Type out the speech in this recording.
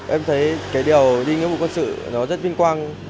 em thấy cái điều đi nghĩa vụ quân sự nó rất vinh quang